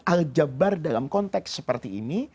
al jabbar dalam konteks seperti ini